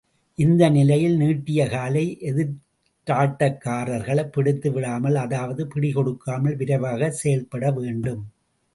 இந்த நிலையில், நீட்டிய காலை எதிராட்டக்காரர்கள பிடித்துவிடாமல் அதாவது பிடி கொடுக்காமல் விரைவாக செயல்பட வேண்டும்.